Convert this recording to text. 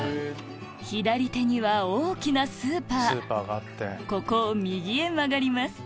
左手には大きなスーパーここを右へ曲がります